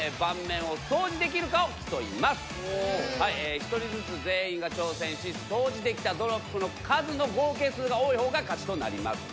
１人ずつ全員が挑戦しそうじできたドロップの数の合計数が多いほうが勝ちとなります。